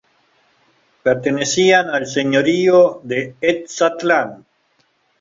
Pertenecían al señorío de Etzatlán.